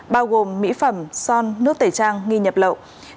bao gồm mỹ phẩm son nước tẩy trang nghi nhập lậu